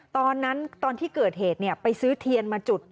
ตอนที่เกิดเหตุไปซื้อเทียนมาจุด